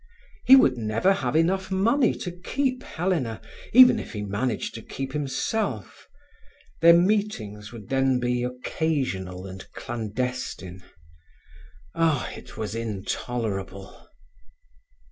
He would never have enough money to keep Helena, even if he managed to keep himself. Their meetings would then be occasional and clandestine. Ah, it was intolerable!